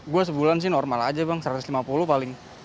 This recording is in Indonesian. gue sebulan sih normal aja bang satu ratus lima puluh paling